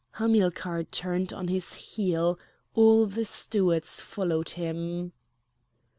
Hamilcar turned on his heel. All the stewards followed him.